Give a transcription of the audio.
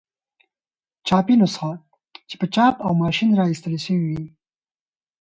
چاپي نسخه چي په چاپ او ما شين را ایستله سوې يي.